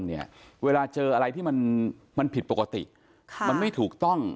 เนี่ยเวลาเจออะไรที่มันมันผิดปกติค่ะมันไม่ถูกต้อง